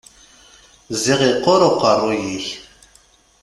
Ziɣ iqqur uqeṛṛuy-ik!